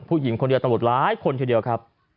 ผู้หญิงคนเดียวตำรวจหลายคนทีเดียวครับ